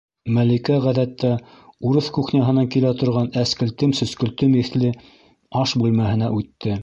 Мәликә, ғәҙәттә, урыҫ кухняһынан килә торған әскелтем- сөскөлтөм еҫле аш бүлмәһенә үтте: